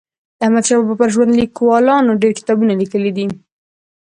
د احمدشاه بابا پر ژوند لیکوالانو ډېر کتابونه لیکلي دي.